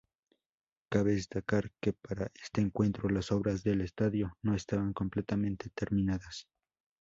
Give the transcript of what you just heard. Cabe destacar que para este encuentro las obras del estadio no estaban completamente terminadas.